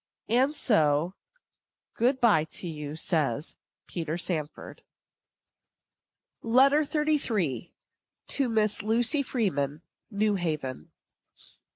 And so good by to you, says PETER SANFORD. LETTER XXXIII. TO MISS LUCY FREEMAN. NEW HAVEN.